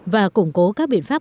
và củng cố các biện pháp